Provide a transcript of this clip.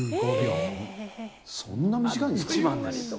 そんな短いんですか。